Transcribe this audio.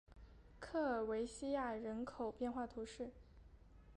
科尔韦西亚人口变化图示